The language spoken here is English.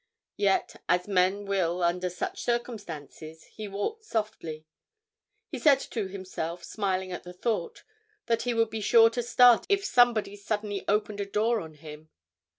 Yet, as men will under such circumstances, he walked softly; he said to himself, smiling at the thought, that he would be sure to start if somebody suddenly opened a door on him.